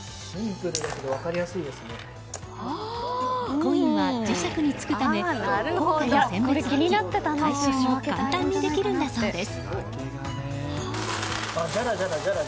コインは磁石につくため硬貨と選別でき回収も簡単にできるんだそうです。